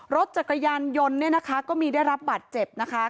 รถจักรยานยนต์ก็มีได้รับบัตรเจ็บนะคะ